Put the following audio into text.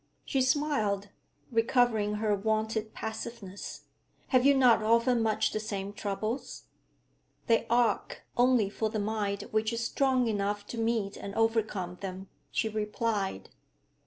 She smiled, recovering her wonted passiveness. 'Have you not often much the same troubles?' 'They arc only for the mind which is strong enough to meet and overcome them,' she replied.